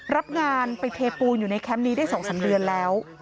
รับงานไปเทปูนอยู่ในแคมป์นี้ได้๒๓เดือนแล้ว